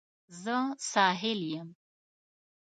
زه ساحل یم